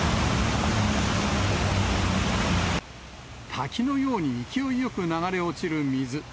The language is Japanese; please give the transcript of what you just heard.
滝のように、勢いよく流れ落ちる水。